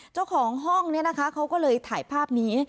เจ้าของห้องนี้นะคะเขาก็เลยถ่ายภาพนี้